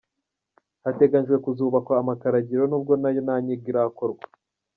Hateganyijwe ko kuzubakwa amakaragiro nubwo na yo nta nyigo irakorwa .